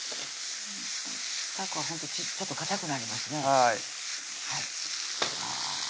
たこはほんとちょっとかたくなりますね